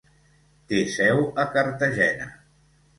Té seu a Cartagena.